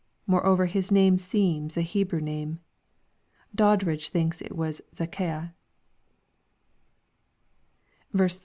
Mcreover, his name seems a Hebrew name. Doddridge thinks it was ZaccaL 3.